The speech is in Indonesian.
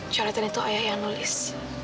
coretan itu ayah yang nulis